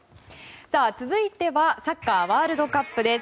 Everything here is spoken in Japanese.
さあ続いてはサッカーワールドカップです。